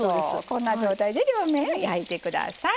こんな状態で両面焼いて下さい。